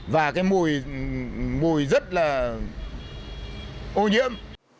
và cái mùi rất là ô nhiễm